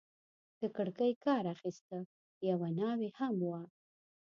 د کړکۍ کار اخیسته، یوه ناوې هم وه.